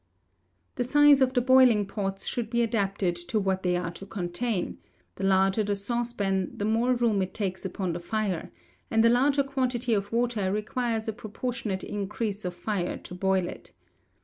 The size of the boiling pots should be adapted to what they are to contain; the larger the saucepan the more room it takes upon the fire; and a larger quantity of water requires a proportionate increase of fire to boil it.